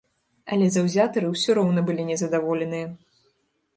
Але заўзятары ўсё роўна былі не задаволеныя.